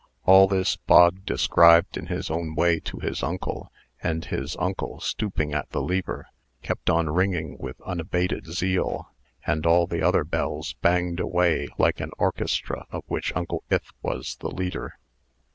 All this Bog described in his own way to his uncle; and his uncle, stooping at the lever, kept on ringing with unabated zeal; and all the other bells banged away like an orchestra of which Uncle Ith was the leader.